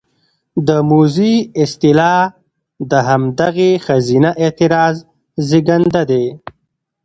د موذي اصطلاح د همدغې ښځينه اعتراض زېږنده دى: